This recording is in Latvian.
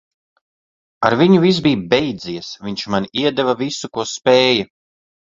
Ar viņu viss bija beidzies. Viņš man iedeva visu, ko spēja.